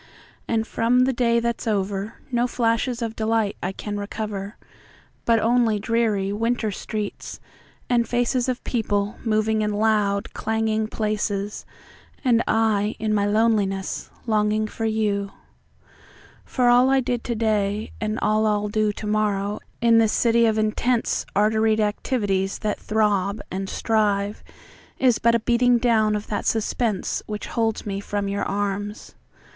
And from the day that's overNo flashes of delight I can recover; But only dreary winter streets, and facesOf people moving in loud clanging places:And I in my loneliness, longing for you…For all I did to day, and all I'll doTo morrow, in this city of intenseArteried activities that throb and strive, Is but a beating down of that suspenseWhich holds me from your arms.